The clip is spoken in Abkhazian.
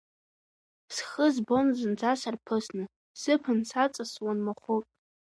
Схы збон зынӡа сарԥысны, сыԥан саҵасуан махәык.